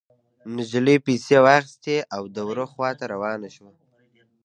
نجلۍ پيسې واخيستې او د وره خوا ته روانه شوه.